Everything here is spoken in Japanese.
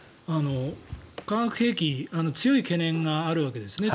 化学兵器強い懸念があるわけですね。